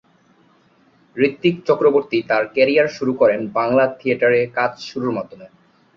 ঋত্বিক চক্রবর্তী তার ক্যারিয়ার শুরু করেন বাংলা থিয়েটার এ কাজ শুরুর মাধ্যমে।